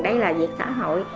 đây là việc xã hội